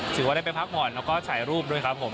ถือว่าได้ไปพักผ่อนแล้วก็ถ่ายรูปด้วยครับผม